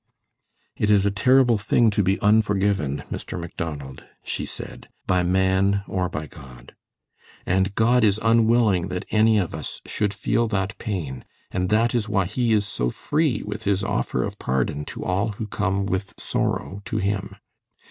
"It is a terrible thing to be unforgiven, Mr. Macdonald," she said, "by man or by God. And God is unwilling that any of us should feel that pain, and that is why he is so free with his offer of pardon to all who come with sorrow to him.